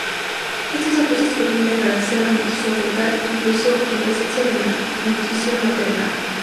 Estos ajustes permiten garantizar la nutrición fetal incluso en presencia de malnutrición materna.